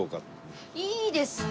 いいですね。